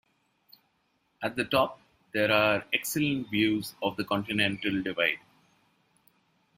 At the top, there are excellent views of the Continental Divide.